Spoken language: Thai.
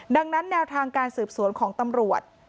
ดังนั้นแนวทางการสืบสวนของตำรวจ